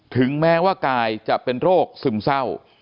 ถึงแม้ว่ากายจะเป็นโรคซึมเศร้า